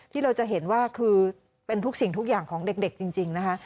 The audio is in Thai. ที่เราจะเห็นว่าคือเป็นทุกสิ่งทุกอย่างของเด็กจริงนะคะ